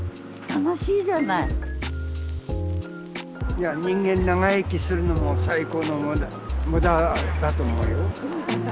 いや人間長生きするのも最高の無駄だと思うよ。